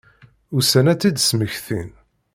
Ussan ad tt-id-smektin.